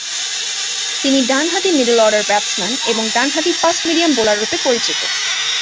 তিনি ডানহাতি middle order batsman এবং ডানহাতি ফাস্ট মিডিয়াম বোলাররূপে পরিচিত।